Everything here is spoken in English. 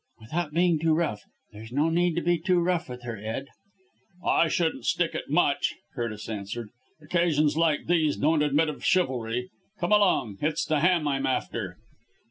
"Without being too rough! There's no need to be too rough with her, Ed." "I shouldn't stick at much!" Curtis answered. "Occasions like these don't admit of chivalry. Come along! It's the ham I'm after."